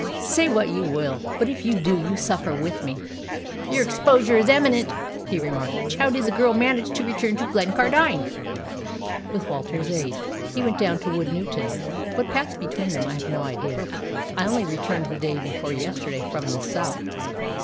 Say what you will. But if you do, you suffer with me." "You say that exposure is imminent," he remarked. "How did the girl manage to return to Glencardine?" "With Walter's aid. He went down to Woodnewton. What passed between them I have no idea. I only returned the day before yesterday from the South.